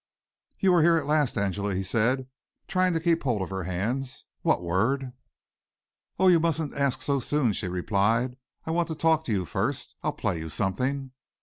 "You're here at last, Angela!" he said, trying to keep hold of her hands. "What word?" "Oh, you musn't ask so soon," she replied. "I want to talk to you first. I'll play you something."